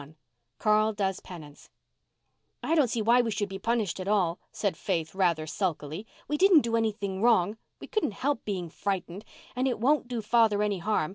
CARL DOES PENANCE "I don't see why we should be punished at all," said Faith, rather sulkily. "We didn't do anything wrong. We couldn't help being frightened. And it won't do father any harm.